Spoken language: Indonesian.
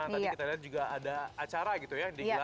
tadi kita lihat juga ada acara gitu ya digelar